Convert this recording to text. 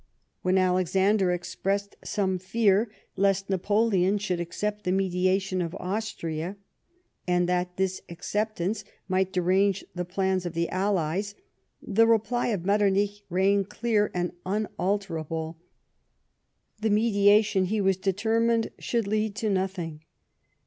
When Alexander ex})ressed some fear lest Napoleon should accept the meditation of Austria, and that this acceptance might derange the plans of the allies, the reply of Metternich rang clear and unalterable. Tlie meditation, he was determined, should lead to nothing.